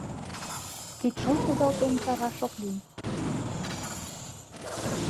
Кидшол кудалтен чараш ок лий.